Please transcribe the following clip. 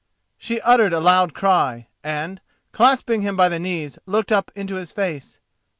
She uttered a loud cry, and, clasping him by the knees, looked up into his face.